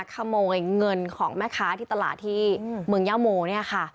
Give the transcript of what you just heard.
ขโมยเงินของแม่ค้าที่ตลาดที่เมืองย่าโมเนี่ยค่ะ